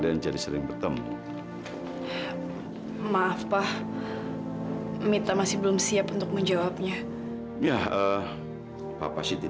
ini kesempatan emas buat gue